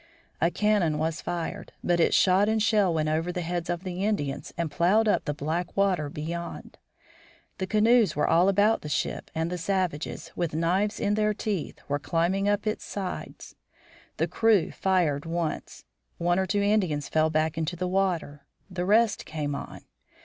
A cannon was fired, but its shot and shell went over the heads of the Indians and plowed up the black water beyond. The canoes were all about the ship and the savages, with knives in their teeth, were climbing up its sides. The crew fired once. One or two Indians fell back into the water; the rest came on.